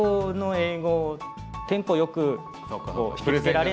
テンポよく引きつけられない。